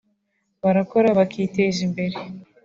barakora bakiteza imbere